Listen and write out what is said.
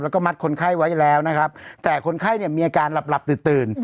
แล้วก็มัดคนไข้ไว้แล้วนะครับแต่คนไข้เนี่ยมีอาการหลับหลับตื่นตื่น